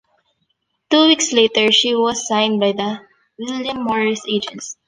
Two weeks later, she was signed by the William Morris Agency.